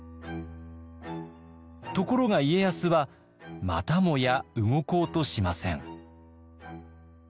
ところが家康はまたもや動こうとしません。